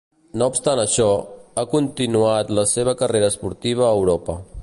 No obstant això, ha continuat la seva carrera esportiva a Europa.